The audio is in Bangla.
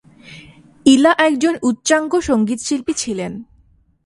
ইলা একজন উচ্চাঙ্গ সঙ্গীতশিল্পী ছিলেন।